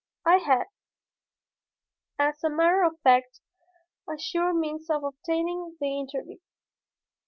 I had, as a matter of fact, a sure means of obtaining the interview.